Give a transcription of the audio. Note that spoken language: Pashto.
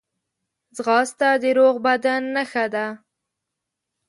ځغاسته د روغ بدن نښه ده